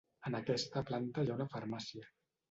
En aquesta planta hi ha una farmàcia.